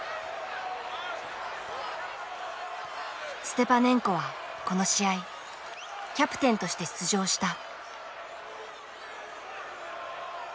ステパネンコはこの試合キャプテンとして出場した。